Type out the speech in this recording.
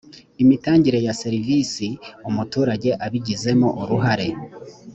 imitangire ya serivisi umuturage abigizemo uruhare